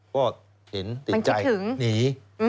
ก็เห็นติดใจหนี